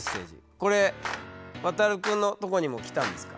これワタル君のとこにも来たんですか？